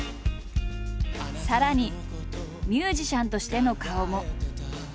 さらにミュージシャンとしての顔も。